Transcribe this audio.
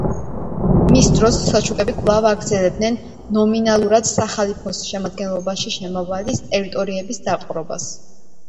მის დროს სელჩუკები კვლავ აგრძელებენ ნომინალურად სახალიფოს შემადგენლობაში შემავალი ტერიტორიების დაპყრობას.